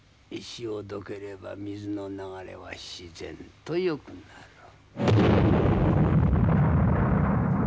石をどければ水の流れは自然とよくなる。